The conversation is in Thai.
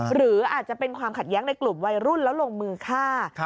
หรืออาจจะเป็นความขัดแย้งในกลุ่มวัยรุ่นแล้วลงมือฆ่า